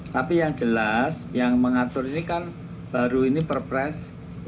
tapi yang jelas yang mengatur ini kan baru ini perpres